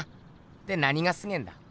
で何がすげえんだ？